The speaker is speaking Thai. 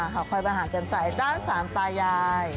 ห่อคอยบรรหารจำไสด้านสารตายาย